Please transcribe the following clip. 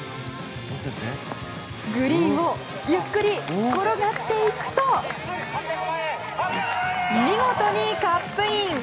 グリーンをゆっくり転がっていくと見事にカップイン！